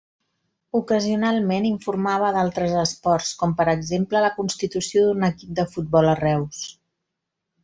Ocasionalment informava d'altres esports, com per exemple la constitució d'un equip de futbol a Reus.